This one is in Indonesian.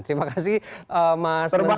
terima kasih mas menteri